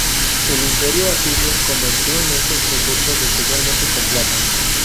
El Imperio asirio comerció con estos recursos, especialmente con plata.